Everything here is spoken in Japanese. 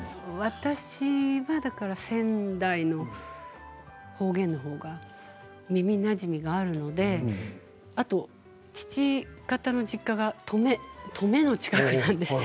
私はだから仙台の方言のほうが耳なじみがあるのであと父方の実家が登米の近くなんですよ。